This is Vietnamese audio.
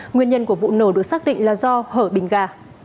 nguyên nhân của vụ nổ được xác định là do hở bình gà